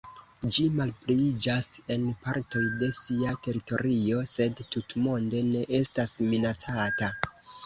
Ĝi malpliiĝas en partoj de sia teritorio, sed tutmonde ne estas minacata.